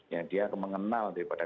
yang dia mengenal daripada